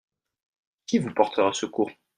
Qui vous portera secours ?